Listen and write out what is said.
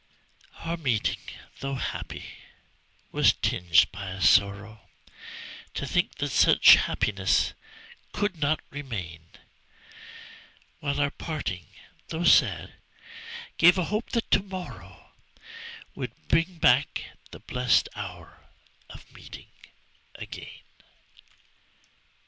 Our meeting, tho' happy, was tinged by a sorrow To think that such happiness could not remain; While our parting, tho' sad, gave a hope that to morrow Would bring back the blest hour of meeting again.